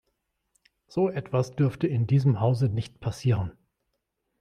So etwas dürfte in diesem Hause nicht passieren!